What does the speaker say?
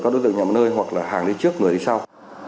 các đối tượng nhằm một nơi hoặc hàng đi trước người đi sau